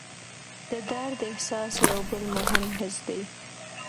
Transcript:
د درد احساس یو بل مهم حس دی.